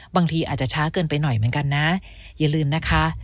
บางทีอาจจะช้าเกินไปหน่อยเหมือนกันนะอย่าลืมนะคะ